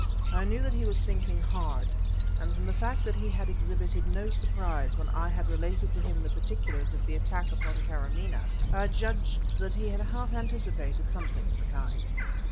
I knew that he was thinking hard, and from the fact that he had exhibited no surprise when I had related to him the particular's of the attack upon Karamaneh I judged that he had half anticipated something of the kind.